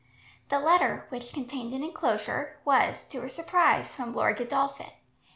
The letter, which contained an enclosure, was, to his surprise, from Lord Godolphin.